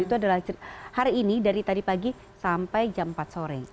itu adalah hari ini dari tadi pagi sampai jam empat sore